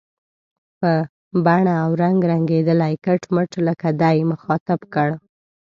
په بڼه او رنګ رنګېدلی، کټ مټ لکه دی، مخاطب کړ.